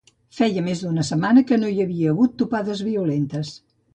Feia més d’una setmana que no hi havia hagut topades violentes.